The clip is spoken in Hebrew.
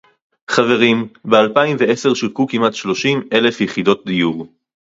חברים: באלפיים ועשר שווקו כמעט שלושים אלף יחידות דיור